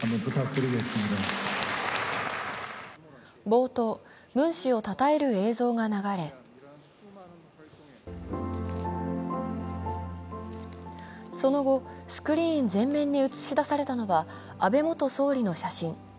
冒頭、ムン氏をたたえる映像が流れその後、スクリーン全面に映し出されたのは安倍元総理の写真。